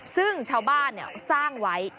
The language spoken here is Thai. ซึ่งชาวบ้านเนี่ยสร้างไว้